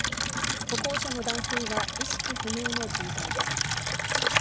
歩行者の男性は意識不明の重体です。